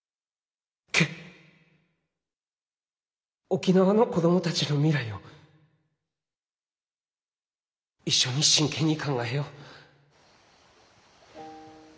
沖縄の子供たちの未来を一緒に真剣に考えよう。